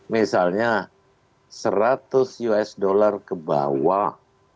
misalnya seratus usd ke bawah